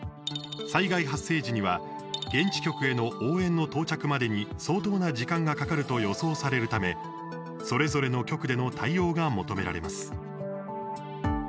災害発生時には現地局への応援の到着までに相当な時間がかかると予想されるためそれぞれの局での対応が求められます。